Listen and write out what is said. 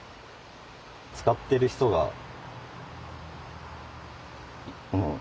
使ってる人がうん